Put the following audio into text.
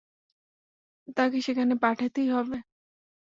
তাকে সেখানে পাঠাতেই হবে।